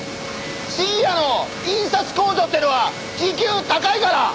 深夜の印刷工場ってのは時給高いから。